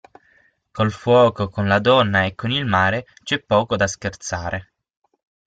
Col fuoco, con la donna e con il mare, c'è poco da scherzare.